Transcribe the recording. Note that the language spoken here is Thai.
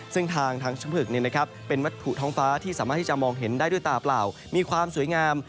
ซึ่งทางชมผึกเป็นวัตถุท้องฟ้าที่สามารถที่จะมองเห็นได้ด้วยตาเปล่ามีความสวยงาม